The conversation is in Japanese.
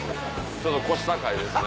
ちょっと腰高いですね。